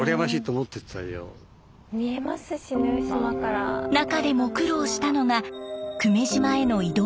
中でも苦労したのが久米島への移動手段。